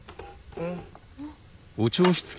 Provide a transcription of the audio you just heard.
うん。